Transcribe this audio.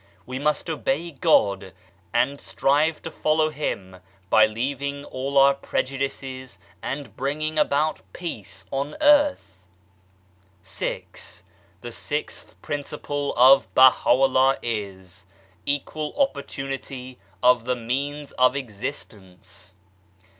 We must obey God, and strive to follow Him by leaving all our prejudices and bring ing about peace on earth. VI. The sixth principle of Baha'u'llah is : Equal opportunity of the means of Existence.